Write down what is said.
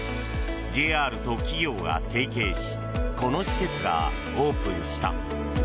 ＪＲと企業が提携しこの施設がオープンした。